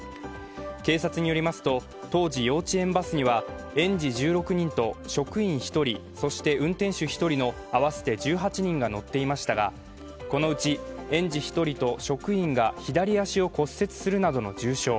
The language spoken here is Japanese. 警察によりますと、当時幼稚園バスには園児１６人と職員１人、運転手１人の合わせて１８人が乗っていましたがこのうち園児１人と職員が左足を骨折するなどの重傷。